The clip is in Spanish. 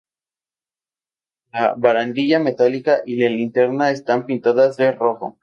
La barandilla metálica y la linterna están pintadas de rojo.